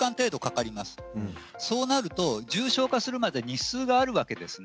そうなると重症化するまでに日数があるわけです。